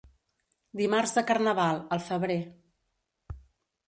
Dimarts de Carnaval, al febrer.